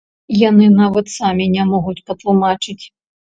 Яны нават самі не могуць патлумачыць.